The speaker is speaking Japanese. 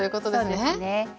はいそうですね。